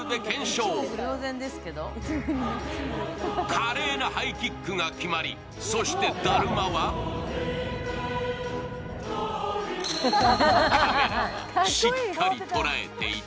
華麗なハイキックが決まり、そしてだるまはカメラは、しっかり捉えていた。